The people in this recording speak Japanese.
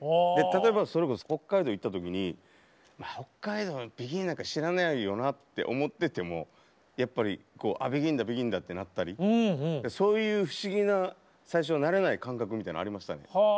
例えばそれこそ北海道行った時に北海道でＢＥＧＩＮなんか知らないよなって思っててもやっぱりこう「あっＢＥＧＩＮだＢＥＧＩＮだ」ってなったりそういう不思議な最初慣れない感覚みたいなのありましたね。